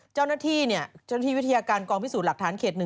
เจ้าหน้าที่วิทยาการกองพิสูจน์หลักฐานเขต๑